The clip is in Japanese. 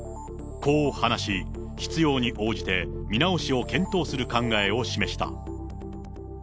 こう話し、必要に応じて、見直しを検討する考えを示した。